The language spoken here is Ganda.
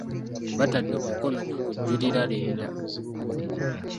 Batadde omukono ku kujulira leero.